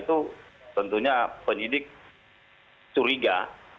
tersebut lama sekali berkejar rupanya